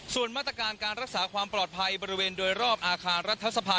ส่วนมาตรการการรักษาความปลอดภัยบริเวณโดยรอบอาคารรัฐสภา